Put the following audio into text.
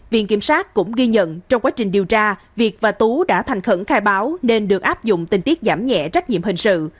viện kiểm sát cũng ghi nhận trong quá trình điều tra việt và tú đã thành khẩn khai báo nên được áp dụng tình tiết giảm nhẹ trách nhiệm hình sự